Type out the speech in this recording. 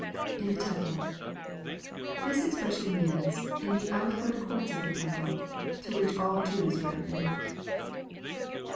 [In ike temple.] This expression means " in the outward oonrts of the temple," to which all Jews were admitted.